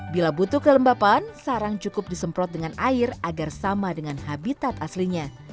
bila butuh kelembapan sarang cukup disemprot dengan air agar sama dengan habitat aslinya